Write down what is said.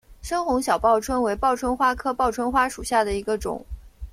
深红小报春为报春花科报春花属下的一个种。